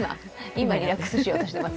今リラックスしようとしてます？